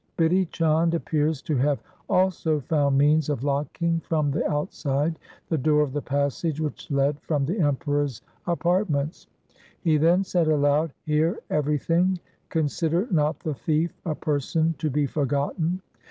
Bidhi Chand appears to have also found means of locking from the outside the door of the passage which led from the Emperor's apartments. He then said aloud, ' Hear everything, consider not the thief a person to be forgotten.